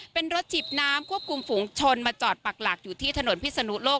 เป็นรถจิบน้ำควบคุมฝูงชนมาจอดปักหลักอยู่ที่ถนนพิศนุโลก